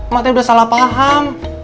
mak teh udah salah paham